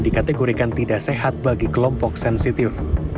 dikategorikan tidak sehat bagi kelompok sensitif